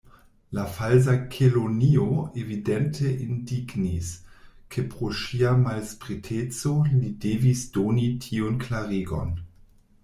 La Falsa Kelonio evidente indignis, ke pro ŝia malspriteco li devis doni tiun klarigon.